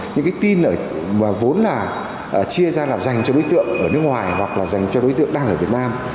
những cái tin mà vốn là chia ra làm dành cho đối tượng ở nước ngoài hoặc là dành cho đối tượng đang ở việt nam